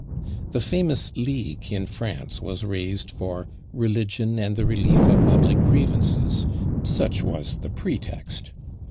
The famous League in France was raised for "religion and the relief of public grievances;" such was the pretext!